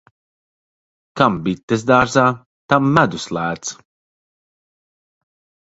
Kam bites dārzā, tam medus lēts.